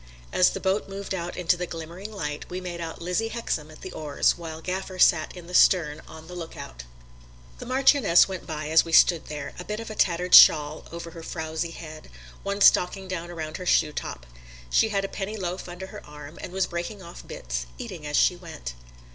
As the boat moved out into the glimmering light we made out Lizzie Hexam at the oars, while Gaffer sat in the stern on the lookout. The Marchioness went by as we stood there, a bit of tattered shawl over her frowsy head, one stocking down around her shoetop. She had a penny loaf under her arm, and was breaking off bits, eating as she went.